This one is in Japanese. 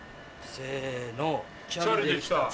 せの。